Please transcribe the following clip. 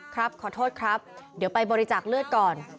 ครับขอโทษครับเดี๋ยวไปบริจาคเลือดก่อน